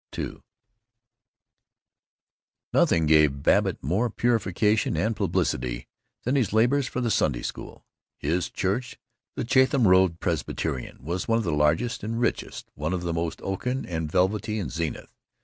II Nothing gave Babbitt more purification and publicity than his labors for the Sunday School. His church, the Chatham Road Presbyterian, was one of the largest and richest, one of the most oaken and velvety, in Zenith.